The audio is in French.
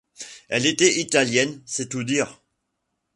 Elle était Italienne, c’est tout dire.